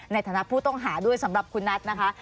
ในฐานะผู้ต้องหาด้วยสำหรับคุณนัทนะคะ